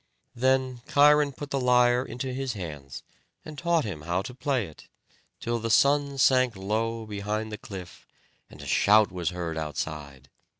Then Cheiron put the lyre into his hands, and taught him how to play it, till the sun sank low behind the cliff, and a shout was heard outside.